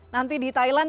nanti di thailand